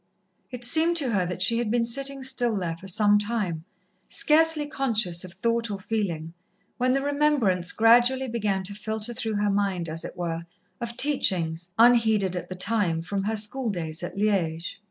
It seemed to her that she had been sitting still there for some time, scarcely conscious of thought or feeling, when the remembrance gradually began to filter through her mind, as it were, of teachings, unheeded at the time, from her schooldays at Liège.